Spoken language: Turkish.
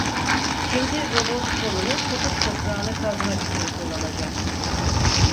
Şimdi robot kolunu kutup toprağını kazmak için kullanacak.